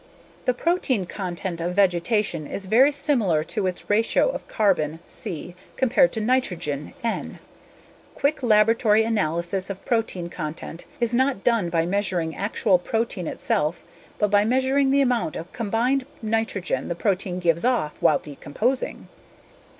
The protein content of vegetation is very similar to its ratio of carbon (C) compared to nitrogen (N). Quick laboratory analysis of protein content is not done by measuring actual protein itself but by measuring the amount of combined nitrogen the protein gives off while decomposing.